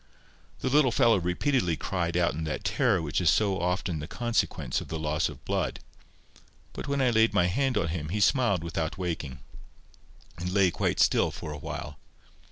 The little fellow repeatedly cried out in that terror which is so often the consequence of the loss of blood; but when I laid my hand on him, he smiled without waking, and lay quite still again for a while.